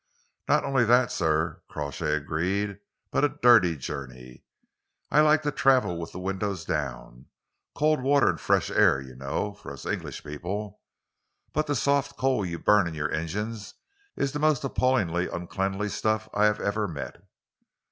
"Not only that, sir," Crawshay agreed, "but a dirty journey. I like to travel with the windows down cold water and fresh air, you know, for us English people but the soft coal you burn in your engines is the most appalling uncleanly stuff I have ever met."